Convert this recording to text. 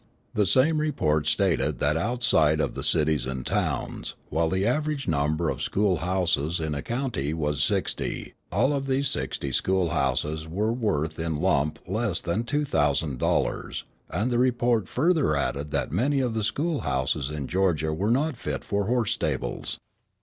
The same report stated that outside of the cities and towns, while the average number of school houses in a county was sixty, all of these sixty school houses were worth in lump less than $2,000, and the report further added that many of the school houses in Georgia were not fit for horse stables.